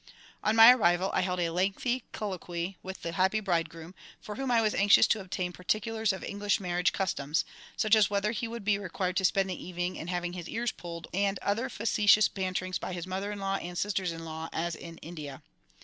On my arrival, I held a lengthy colloquy with the happy bridegroom, from whom I was anxious to obtain particulars of English marriage customs, such as whether he would be required to spend the evening in having his ears pulled, and other facetious banterings by his mother in law and sisters in law, as in India.